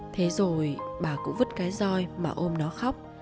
thế rồi bà cũng vứt cái roi mà ôm nó khóc